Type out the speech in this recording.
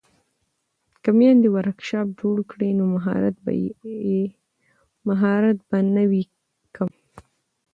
که میندې ورکشاپ جوړ کړي نو مهارت به نه وي کم.